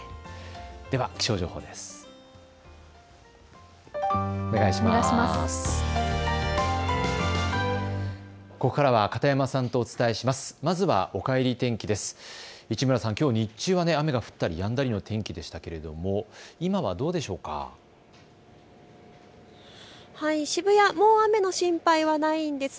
では気象情報です。